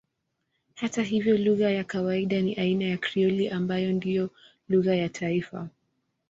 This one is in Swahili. Hata hivyo lugha ya kawaida ni aina ya Krioli ambayo ndiyo lugha ya taifa.